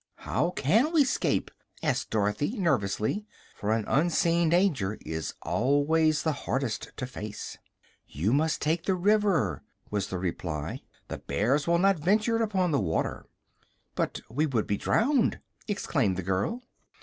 "How can we 'scape?" asked Dorothy, nervously, for an unseen danger is always the hardest to face. "You must take to the river," was the reply. "The bears will not venture upon the water." "But we would be drowned!" exclaimed the girl.